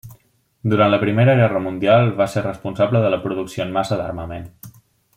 Durant la Primera Guerra Mundial, va ser responsable de la producció en massa d'armament.